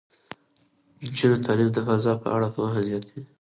د نجونو تعلیم د فضا په اړه پوهه زیاتوي.